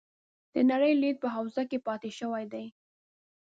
د نړۍ لید په حوزه کې پاتې شوي دي.